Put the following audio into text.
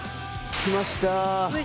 着きました。